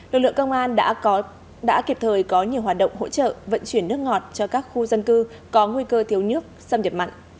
lực lượng công an đã kịp thời có nhiều hoạt động hỗ trợ vận chuyển nước ngọt cho các khu dân cư có nguy cơ thiếu nước xâm nhập mặn